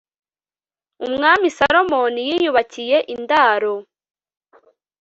umwami salomoni yiyubakiye indaro